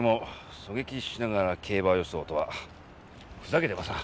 狙撃しながら競馬予想とはふざけてますな。